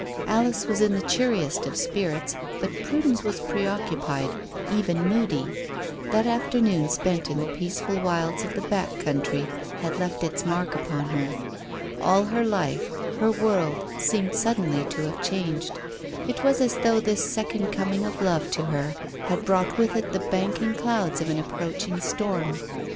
Alice was in the cheeriest of spirits, but Prudence was pre occupied, even moody. That afternoon spent in the peaceful wilds of the "back" country had left its mark upon her. All her life her world seemed suddenly to have changed. It was as though this second coming of love to her had brought with it the banking clouds of an approaching storm.